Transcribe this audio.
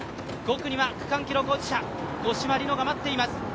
５区には区間記録保持者、五島莉乃が待っています。